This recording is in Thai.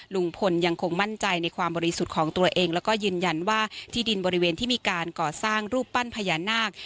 ลุงพลยังคงมั่นใจในความบริสุทธิ์ของตัวเองแล้วก็ยืนยันว่าที่ดินบริเวณที่มีการก่อสร้างรูปปั้นพญานาค